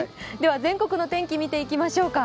全国の天気見ていきましょうか。